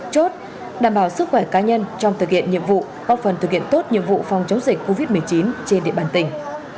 chốt đảm bảo sức khỏe cá nhân trong thực hiện nhiệm vụ góp phần thực hiện tốt nhiệm vụ phòng chống dịch covid một mươi chín trên địa bàn tỉnh